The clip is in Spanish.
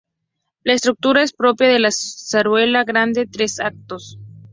La estructura es propia de la zarzuela grande, tres actos.